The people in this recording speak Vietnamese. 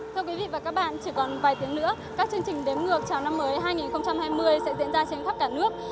thưa quý vị và các bạn chỉ còn vài tiếng nữa các chương trình đếm ngược chào năm mới hai nghìn hai mươi sẽ diễn ra trên khắp cả nước